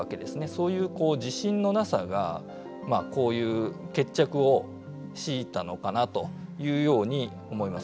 そういう自信のなさがこういう決着を強いたのかなというように思います。